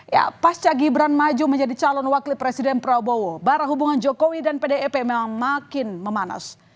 ya pasca gibran maju menjadi calon wakil presiden prabowo barah hubungan jokowi dan pdip memang makin memanas